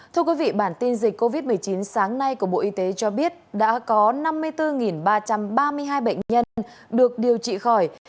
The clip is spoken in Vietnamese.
thưa quý vị bản tin dịch covid một mươi chín sáng nay của bộ y tế cho biết đã có năm mươi bốn ba trăm ba mươi hai bệnh nhân được điều trị khỏi